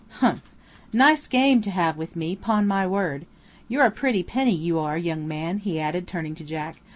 "Humph! Nice game to have with me, 'pon my word. You're a pretty penny, you are, young man," he added, turning to Jack.